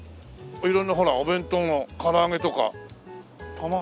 色んなほらお弁当がから揚げとか。